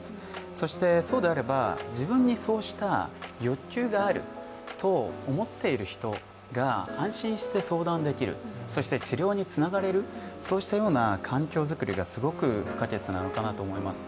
そして、そうであれば自分にそうした欲求があると思っている人が安心して相談できる、そして治療につながれる、そうしたような環境づくりがすごく不可欠なのかなと思います。